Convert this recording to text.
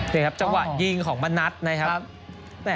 นี่ครับจังหวะยิงของมณัฐนะครับ